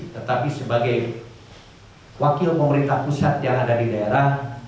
tetapi sebagai wakil pemerintah pusat yang ada di daerah